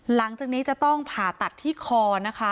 หลังจากนี้จะต้องผ่าตัดที่คอนะคะ